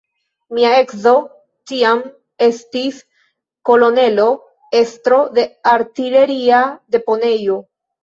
Mia edzo tiam estis kolonelo, estro de artileria deponejo.